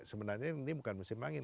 sebenarnya ini bukan musim angin